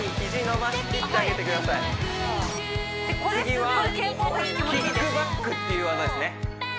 次はキックバックっていう技ですね